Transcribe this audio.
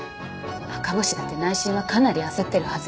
赤星だって内心はかなり焦ってるはず。